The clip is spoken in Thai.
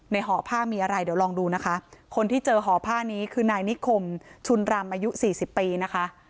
ห่อผ้ามีอะไรเดี๋ยวลองดูนะคะคนที่เจอห่อผ้านี้คือนายนิคมชุนรำอายุสี่สิบปีนะคะ